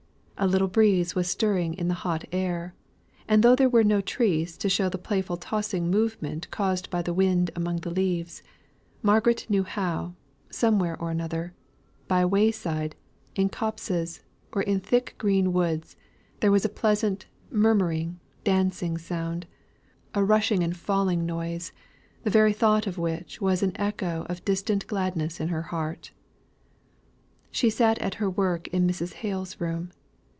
A little breeze was stirring in the hot air, and though there were no trees to show the playful tossing movement caused by the wind among the leaves, Margaret knew how, somewhere or another, by wayside, in copses, or in thick green woods, there was a pleasant, murmuring dancing sound, a rushing and falling noise, the very thought of which was an echo of distinct gladness in her heart. She sat at her work in Mrs. Hale's room.